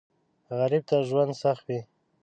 غریب ته ژوند سخت وي